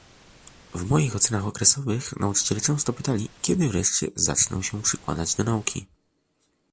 W moich ocenach okresowych nauczyciele często pytali, kiedy wreszcie zacznę się przykładać do nauki